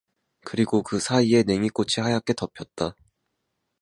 그리고 그 사이에 냉이꽃이 하얗게 덮였다.